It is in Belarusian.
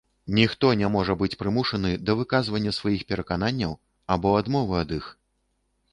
Ніхто не можа быць прымушаны да выказвання сваіх перакананняў або адмовы ад іх.